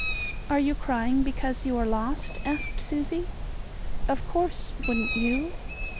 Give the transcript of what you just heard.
"Are you crying because you are lost?" asked Susie. "Of course. Wouldn't you?"